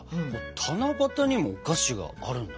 七夕にもお菓子があるんだね。